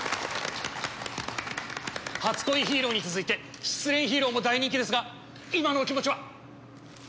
『初恋ヒーロー』に続いて『失恋ヒーロー』も大人気ですが今のお気持ちは？